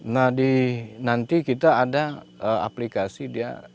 nah di nanti kita ada aplikasi dia